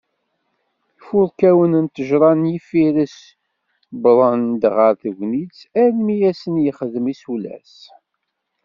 Ifurkawen n tejjṛa n yifires wwḍen-d ɣar tegnit, almi i asen-yexdem isulas.